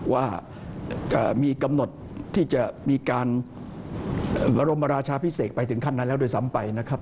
ว่ามีกำหนดที่จะมีการบรมราชาพิเศษไปทั้งขั้นนั้นแล้วโดยสำไป